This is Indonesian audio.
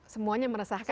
semuanya meresahkan sih